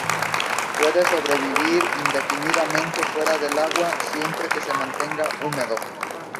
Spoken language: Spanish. Puede sobrevivir indefinidamente fuera del agua siempre que se mantenga húmedo.